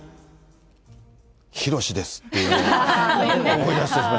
ヒロシですっていうのを思い出すね。